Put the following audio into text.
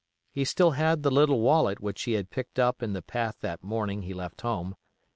He still had the little wallet which he had picked up in the path that morning he left home.